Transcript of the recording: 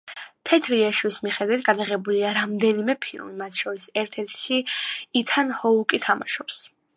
თეთრი ეშვის მიხედვით გადაღებულია რამდენიმე ფილმი, მათ შორის ერთ-ერთში ითან ჰოუკი თამაშობს.